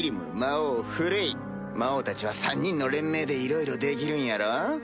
魔王たちは３人の連名でいろいろできるんやろ？